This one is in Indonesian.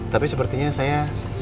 tapi sepertinya saya